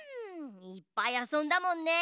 いっぱいあそんだもんね。